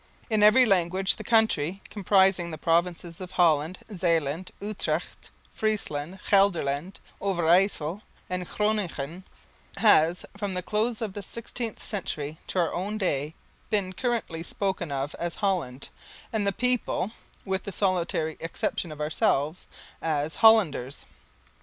In every language the country, comprising the provinces of Holland, Zeeland, Utrecht, Friesland, Gelderland, Overyssel and Groningen, has, from the close of the sixteenth century to our own day, been currently spoken of as Holland, and the people (with the solitary exception of ourselves) as 'Hollanders.'